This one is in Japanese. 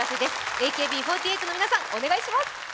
ＡＫＢ４８の皆さん、お願いします。